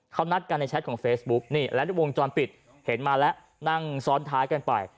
เขานัดกันในแชทของเฟซบุ๊กนี่และในวงจรปิดเห็นมาแล้วนั่งซ้อนท้ายกันไป